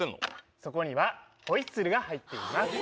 そこにはホイッスルが入ってます。